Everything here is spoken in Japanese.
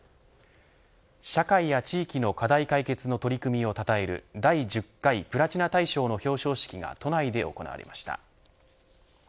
社会や地域の課題解決の取り組みをたたえる第１０回プラチナ大賞の表彰式が都内で行われました。